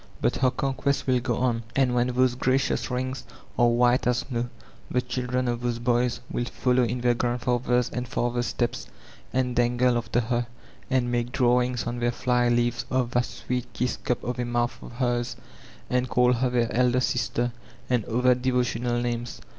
But her conquests wiO go on, and when those gnciotis rings are white as snow the children of those boys will follow in their grandfathers' and fathers' steps and dangle after her, and make draw* ings on their fly leaves of that sweet Idss cup of a mouth of hers, and call her their elder sbter, and other devo tional names.